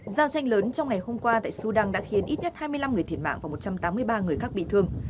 giao tranh lớn trong ngày hôm qua tại sudan đã khiến ít nhất hai mươi năm người thiệt mạng và một trăm tám mươi ba người khác bị thương